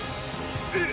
えっ！